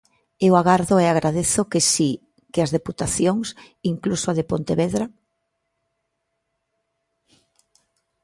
Eu agardo e agradezo que si, que as deputacións, incluso a de Pontevedra.